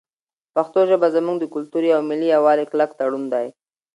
پښتو ژبه زموږ د کلتوري او ملي یووالي کلک تړون دی.